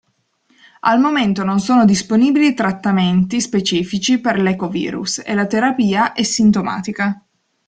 Al momento non sono disponibili trattamenti specifici per l'echovirus e la terapia è sintomatica.